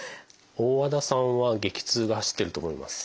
大和田さんは激痛が走ってると思います。